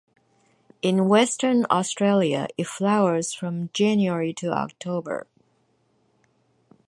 In Western Australia it flowers from January to October.